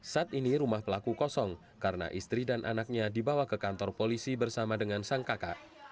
saat ini rumah pelaku kosong karena istri dan anaknya dibawa ke kantor polisi bersama dengan sang kakak